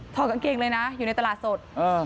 กางเกงเลยนะอยู่ในตลาดสด